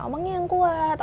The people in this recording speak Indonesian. omangnya yang kuat